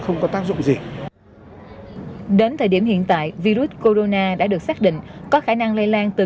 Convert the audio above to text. không có tác dụng gì đến thời điểm hiện tại virus corona đã được xác định có khả năng lây lan từ